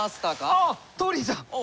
ああトーリーさん。